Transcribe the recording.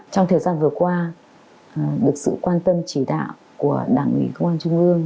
trong thời gian vừa qua được sự quan tâm chỉ đạo của đảng ủy công an trung ương